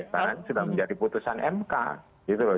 karena sudah menjadi putusan mk gitu loh